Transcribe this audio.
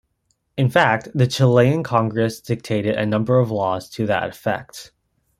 In fact, the Chilean Congress dictated a number of laws to that effect.